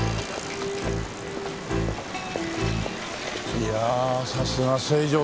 いやあさすが成城だな。